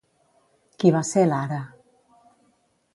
Qui va ser Lara?